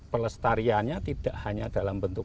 pelestariannya tidak hanya dalam bentuk